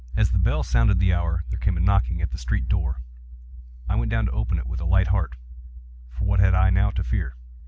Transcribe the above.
As the bell sounded the hour, there came a knocking at the street door. I went down to open it with a light heart,—for what had I now to fear?